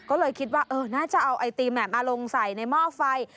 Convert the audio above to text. ก็เลยคิดว่าน่าจะเอาไอติมมาลงใส่ในหม้อไฟ